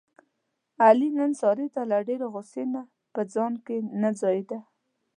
علي نن سارې ته له ډېرې غوسې نه په ځان کې نه ځایېدا.